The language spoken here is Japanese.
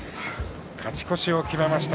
勝ち越しを決めました